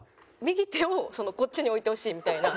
「右手をこっちに置いてほしい」みたいな。